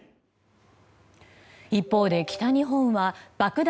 一方で北日本は爆弾